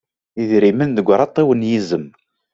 Idrimen deg uṛaṭiw n yizem.